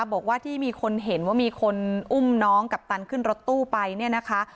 บอกว่าที่มีคนเห็นว่ามีคนอุ้มน้องกัปตันขึ้นรถตู้ไปเนี่ยนะคะ